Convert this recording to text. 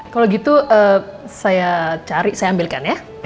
kalau gitu saya cari saya ambilkan ya